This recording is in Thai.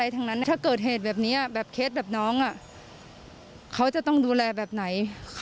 ถ้าเกิดเหตุแบบนี้ไม่ใช่แบบปัดหมดเลย